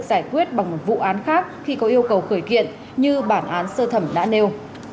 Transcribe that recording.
giải quyết bằng một vụ án khác khi có yêu cầu khởi kiện như bản án sơ thẩm đã nêu